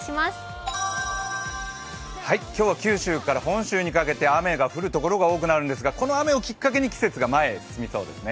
今日は九州から本州にかけて雨が降るところが多くなるんですがこの雨をきっかけに季節が前へ進みそうですね